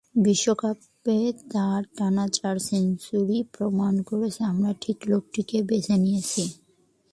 বিশ্বকাপে তাঁর টানা চার সেঞ্চুরি প্রমাণ করেছে আমরা ঠিক লোকটিকেই বেছে নিয়েছি।